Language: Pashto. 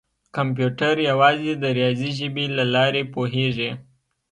کمپیوټر یوازې د ریاضي ژبې له لارې پوهېږي.